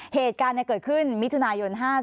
เหตุการณ์เกิดขึ้นมิถุนายน๕๔